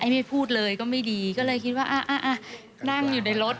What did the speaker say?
ไม่พูดเลยก็ไม่ดีก็เลยคิดว่านั่งอยู่ในรถ